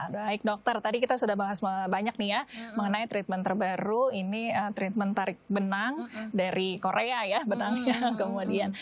baik dokter tadi kita sudah bahas banyak nih ya mengenai treatment terbaru ini treatment tarik benang dari korea ya benangnya kemudian